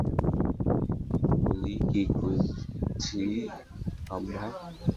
ওলি, কী খুঁজছি আমরা?